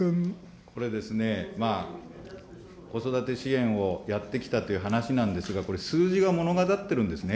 これですね、子育て支援をやってきたという話なんですが、これ、数字が物語ってるんですね。